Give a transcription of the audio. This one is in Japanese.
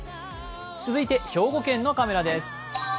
続いて兵庫県のカメラです。